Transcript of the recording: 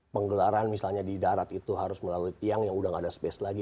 penggelaran misalnya di darat itu harus melalui tiang yang udah gak ada space lagi